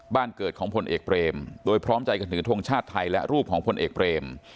บ้านเกิดของพลเอกเบรมโดยพร้อมใจกันถือทงชาติไทยและรูปของพลเอกเบรม